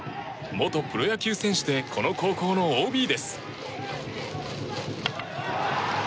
元プロ野球選手でこの高校のＯＢです。